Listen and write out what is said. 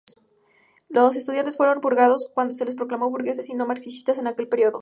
Los estudiantes fueron purgados cuando se les proclamó burgueses y no-marxistas en aquel periodo.